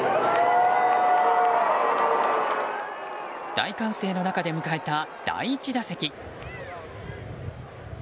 大歓声の中で迎えた第１打席。